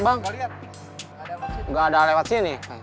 gak ada yang lewat sini